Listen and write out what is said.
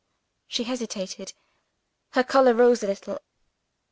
She hesitated; her color rose a little.